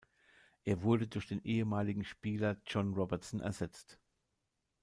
Er wurde durch den ehemaligen Spieler John Robertson ersetzt.